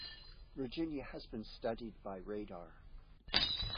Virginia has been studied by radar.